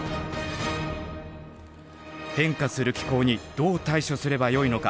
変化する気候にどう対処すればよいのか？